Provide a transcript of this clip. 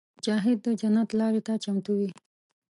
مجاهد د جنت لارې ته چمتو وي.